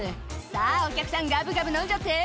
「さぁお客さんガブガブ飲んじゃって」